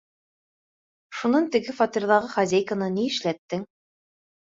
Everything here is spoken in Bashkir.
Шунан теге фатирҙағы хозяйканы ни эшләттең?